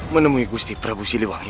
menemui gusti prabu siliwangi